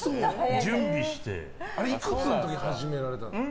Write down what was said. いくつの時に始めたんですか？